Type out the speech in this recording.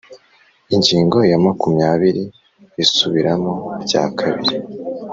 Ingingo ya makumyabiri Isubiramo rya kabiri